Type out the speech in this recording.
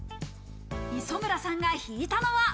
磯村さんが引いたのは。